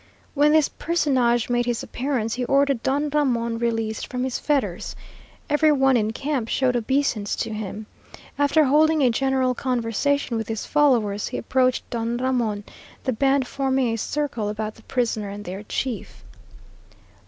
When this personage made his appearance, he ordered Don Ramon released from his fetters. Every one in camp showed obeisance to him. After holding a general conversation with his followers, he approached Don Ramon, the band forming a circle about the prisoner and their chief.